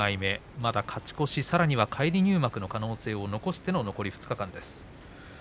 まだ、勝ち越しあるいは返り入幕の可能性を残しての残り２日間です。